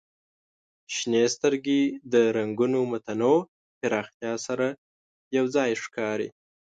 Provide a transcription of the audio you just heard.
شنې سترګې د رنګونو متنوع پراختیا سره یو ځای ښکاري.